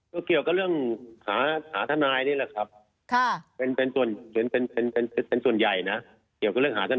ก็เกี่ยวกับเรื่องหาหาทนายนี่แหละครับค่ะเป็นเป็นส่วนเป็นเป็นเป็นเป็นส่วนใหญ่นะเกี่ยวกับเรื่องหาทนาย